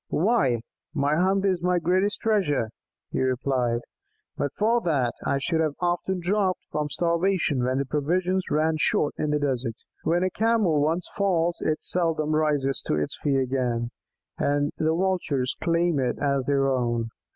"Why, my hump is my greatest treasure," he replied. "But for that, I should have often dropped from starvation when provisions ran short in the desert. When a Camel once falls it seldom rises to its feet again, and the Vultures claim it as their own.